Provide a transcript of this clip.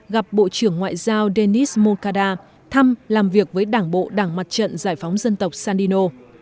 gặp bộ trưởng ngoại giao denis mokada thăm làm việc với đảng bộ đảng mặt trận giải phóng dân tộc sandino